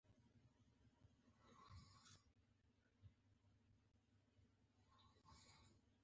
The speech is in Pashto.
استاد د فکرونو پاکوالي ته وده ورکوي.